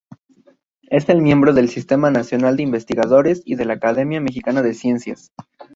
Es miembro del Sistema Nacional de Investigadores y de la Academia Mexicana de Ciencias.